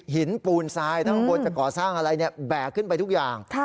หินปูนซายจะก่อสร้างอะไรเนี่ยแบกขึ้นไปทุกอย่าง